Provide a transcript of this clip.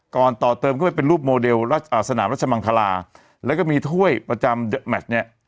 ก่อนต่อเติมก็เป็นรูปโมเดลสนามรัชมังธราแล้วก็มีถ้วยประจำเงี้ย